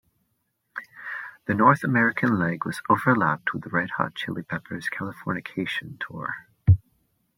The North American leg was overlapped with the Red Hot Chili Peppers' Californication Tour.